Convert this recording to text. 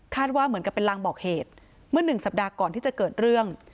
ว่าเหมือนกับเป็นลางบอกเหตุเมื่อ๑สัปดาห์ก่อนที่จะเกิดเรื่อง